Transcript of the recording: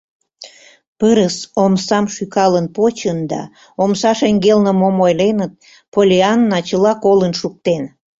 Пырыс омсам шӱкалын почын, да омса шеҥгелне мом ойленыт — Поллианна чыла колын шуктен.